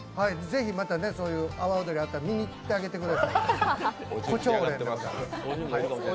ぜひ、また阿波おどりがあったら見に行ってあげてください。